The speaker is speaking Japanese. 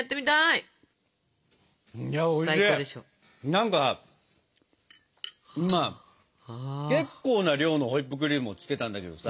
何か今結構な量のホイップクリームを付けたんだけどさ